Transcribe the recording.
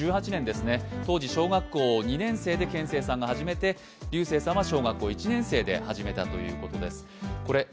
当時小学校２年生で賢征さんが始めて龍征さんは小学校１年生で始めたということです。